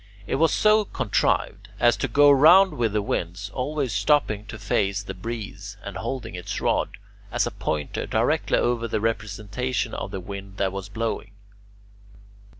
It was so contrived as to go round with the wind, always stopping to face the breeze and holding its rod as a pointer directly over the representation of the wind that was blowing.